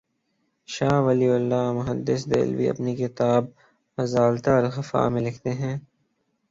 شاہ Waliullah Muhaddith Dehlavi اپنی کتاب ”ازالتہ الخفا ء“ میں لکھتے ہیں